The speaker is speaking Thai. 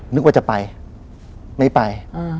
นึกว่าจะไปไม่ไป